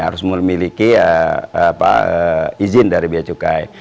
harus memiliki izin dari bacukai